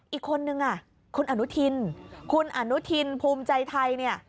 อีกคนนึงอ่ะคุณอนุทินคุณอนุทินภูมิใจไทยเนี่ย